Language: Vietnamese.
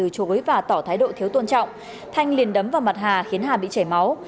chối và tỏ thái độ thiếu tôn trọng thanh liền đấm vào mặt hà khiến hà bị chảy máu